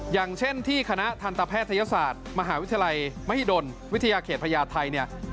อย่างเช่นที่คณะทันตแพทยศาสตร์มหาวิทยาลัยมหิดลวิทยาเขตพญาไทยเนี่ย